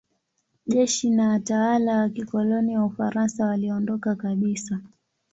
Jeshi na watawala wa kikoloni wa Ufaransa waliondoka kabisa.